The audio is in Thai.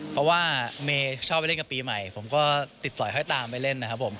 เพราะว่าเมย์ชอบไปเล่นกับปีใหม่ผมก็ติดสอยค่อยตามไปเล่นนะครับผม